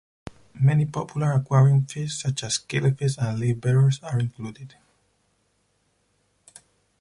Many popular aquarium fish, such as killifish and live-bearers, are included.